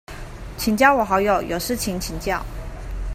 請加我好友，有事情請教